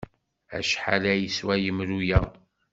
Acḥal ay yeswa yemru-a?